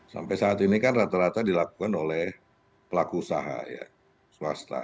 sampai saat ini kan rata rata dilakukan oleh pelaku usaha ya swasta